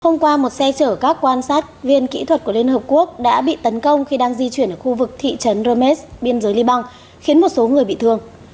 hôm qua một xe chở các quan sát viên kỹ thuật của liên hợp quốc đã bị tấn công khi đang di chuyển ở khu vực thị trấn rometz biên giới libang khiến một số người bị thương